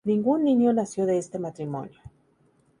Ningún niño nació de este matrimonio.